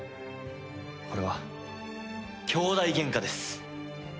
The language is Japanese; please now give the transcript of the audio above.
これは兄弟ゲンカです。